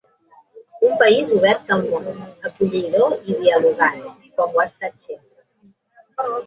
Un país obert al món, acollidor i dialogant, com ho ha estat sempre.